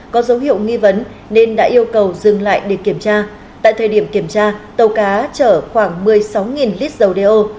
có dấu hiệu nghi vấn nên đã yêu cầu dừng lại để kiểm tra tại thời điểm kiểm tra tàu cá chở khoảng một mươi sáu lít dầu đeo